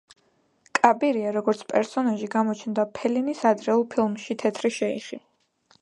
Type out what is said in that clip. კაბირია, როგორც პერსონაჟი, გამოჩნდა ფელინის ადრეულ ფილმში „თეთრი შეიხი“.